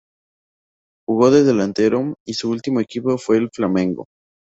Jugó de delantero y su ultimo equipo fue el Flamengo.